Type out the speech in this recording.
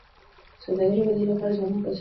د سوداګری د ودي لپاره ځوانان فرصتونه لري.